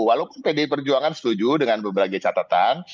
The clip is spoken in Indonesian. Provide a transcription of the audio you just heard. walaupun pd perjuangan setuju dengan beberapa catatan